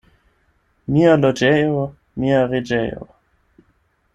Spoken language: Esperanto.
Mia loĝejo — mia reĝejo.